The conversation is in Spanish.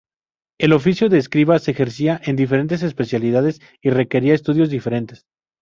El oficio de escriba se ejercía en diferentes especialidades y requería estudios diferentes.